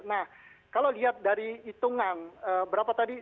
nah kalau lihat dari hitungan berapa tadi